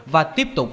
và tiếp tục